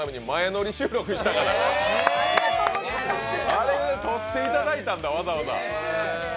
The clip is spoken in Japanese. あれ、とっていただいたんだ、わざわざ。